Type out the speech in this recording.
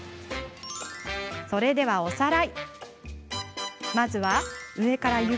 それでは、おさらいです。